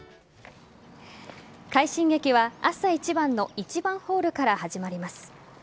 快進撃は朝一番の１番ホールから始まります。